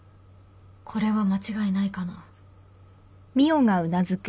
これは間違いないかな？